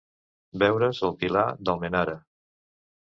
Veure's el Pilar d'Almenara.